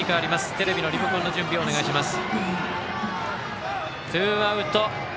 テレビのリモコンの準備をお願いします。